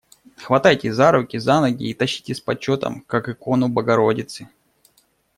Хватайте за руки, за ноги и тащите с почетом, как икону богородицы.